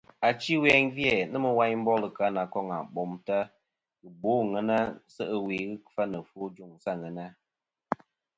Achi ɨwe gvi-æ nomɨ woyn ghɨ bol nà koŋa bom teyn ta ghɨ bo àŋena se' ɨwe kfa nɨ ɨfwo ɨ juŋ sɨ àŋena.